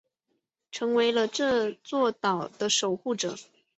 成为了这座岛的守护者。